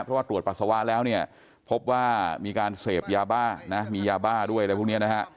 เพราะว่าตรวจปัสสาวะแล้วเนี่ยพบว่ามีการเสพยาบ้านะมียาบ้าด้วยอะไรพวกนี้นะฮะ